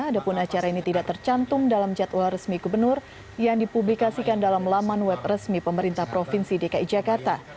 adapun acara ini tidak tercantum dalam jadwal resmi gubernur yang dipublikasikan dalam laman web resmi pemerintah provinsi dki jakarta